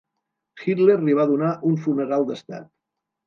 Hitler li va donar un funeral d'estat.